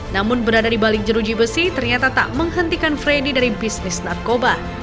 namun berada di balik jeruji besi ternyata tak menghentikan freddy dari bisnis narkoba